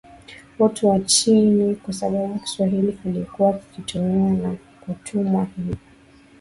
watu wa chini kwa sababu Kiswahili kilikuwa kikitumiwa na watumwa hivyo